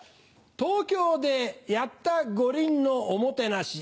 東京でやった五輪のおもてなし。